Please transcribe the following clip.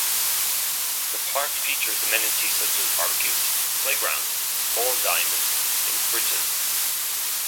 The park features amenities such as barbecues, playgrounds, ball diamonds, and bridges.